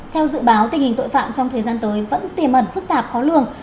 theo dự báo tình hình tội phạm trong thời gian tới vẫn tiềm ẩn phức tạp khó lường